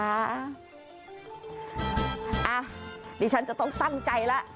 อ่ะดิฉันจะต้องตั้งใจแล้ว